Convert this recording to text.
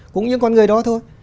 cũng những con người đó thôi